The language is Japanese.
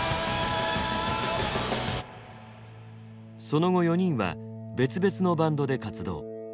その後４人は別々のバンドで活動。